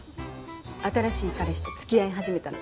新しい彼氏と付き合い始めたの。